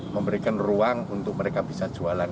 memberikan ruang untuk mereka bisa jualan